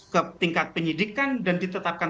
ke tingkat penyidikan dan ditetapkan